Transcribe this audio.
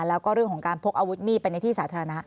แล้วก็เรื่องของการพกอาวุธมีดไปในที่สาธารณะ